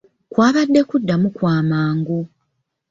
Kwabadde kuddamu kw'amangu.